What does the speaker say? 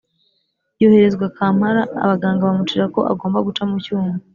yoherezwa kampala abaganga bamubwira ko agomba guca mucyuma